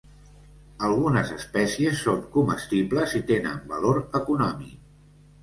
Algunes espècies són comestibles i tenen valor econòmic.